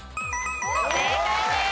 正解です。